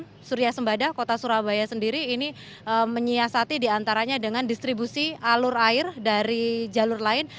dan pdam suria sembada kota surabaya sendiri ini menyiasati diantaranya dengan distribusi alur air dari jalur lain